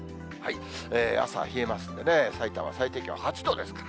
朝冷えますんでね、さいたま最低気温８度ですから。